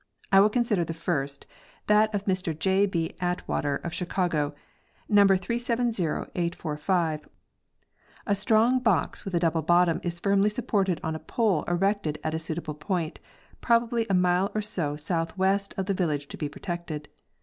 I will consider the first, that of Mr J. B. Atwater, of Chicago (number 370,845, 1887). A strong box with a double bottom is firmly supported on a pole erected at a suitable point, probably a mile or so southwest of the village to be protected.